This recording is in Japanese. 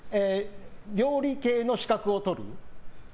料理系の資格を取る。